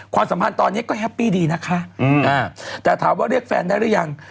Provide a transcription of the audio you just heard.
สัมพันธ์ตอนนี้ก็แฮปปี้ดีนะคะแต่ถามว่าเรียกแฟนได้หรือยัง